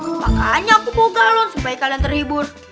makanya aku mau galon supaya kalian terhibur